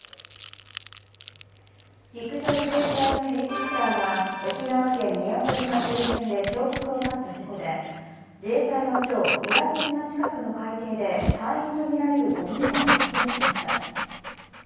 陸上自衛隊のヘリコプターが沖縄県宮古島周辺で消息を絶った事故で自衛隊は今日、伊良部島近くの海底で隊員とみられる５人を発見しました。